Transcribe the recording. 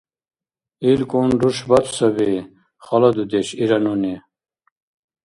— ИлкӀун рушбат саби, хала дудеш! — ира нуни.